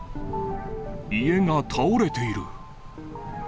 家が倒れている。